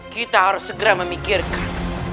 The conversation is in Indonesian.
kita harus segera memikirkan